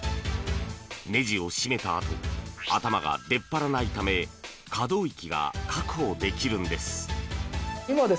ねじを締めたあと頭が出っぱらないため可動域が確保できるんです。